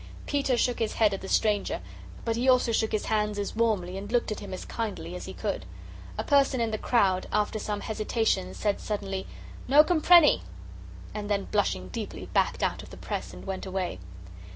Peter shook his head at the stranger, but he also shook his hands as warmly and looked at him as kindly as he could. A person in the crowd, after some hesitation, said suddenly, "No comprenny!" and then, blushing deeply, backed out of the press and went away.